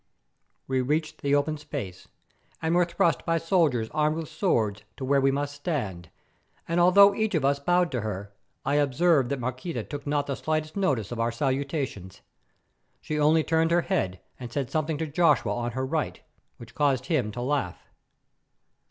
We reached the open space, and were thrust by soldiers armed with swords to where we must stand, and although each of us bowed to her, I observed that Maqueda took not the slightest notice of our salutations. She only turned her head and said something to Joshua on her right, which caused him to laugh.